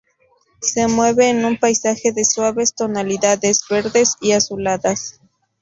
Se mueven en un paisaje de suaves tonalidades verdes y azuladas.